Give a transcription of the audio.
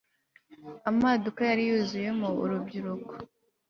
Amaduka yari yuzuyemo urubyiruko